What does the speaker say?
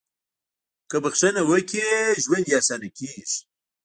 • که بښنه وکړې، ژوند دې اسانه کېږي.